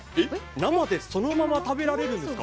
生でそのまま食べられるんですか？